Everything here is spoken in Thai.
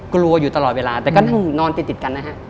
กลัวอยู่ตลอดเวลาแต่ก็นั่งนอนติดกันนะฮะ